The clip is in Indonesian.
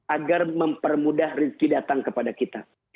agar mempermudah rezeki datang kepada kita